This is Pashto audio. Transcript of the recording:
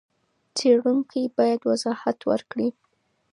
څېړونکی بايد وضاحت ورکړي.